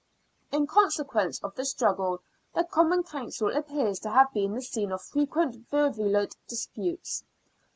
In consequence of the struggle, the Common Council appears to have been the scene of frequent virulent disputes.